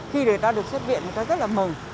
khi người ta được xuất viện người ta rất là mừng